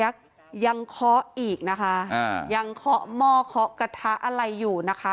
ยังเคาะหม้อเคาะกระทะอะไรอยู่นะคะ